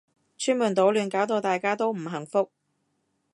出去搗亂搞到大家都唔幸福